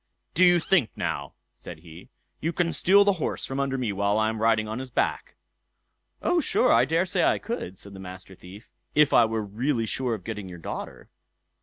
"Do you think now", said he, "you can steal the horse from under me while I am out riding on his back?" "O, yes! I daresay I could", said the Master Thief, "if I were really sure of getting your daughter."